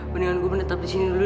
lebih baik aku tetap di sini dulu